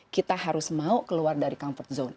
kita harus mau keluar dari comfort zone